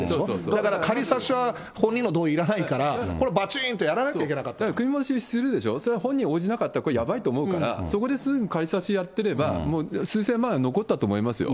だから、仮差しは本人の同意いらないから、こればちんとやらなきゃいけなか組み戻しするでしょ、それは本人応じなかったら、やばいと思うから、そこですぐ仮差しやってれば、もう数千万は残ったと思いますよ。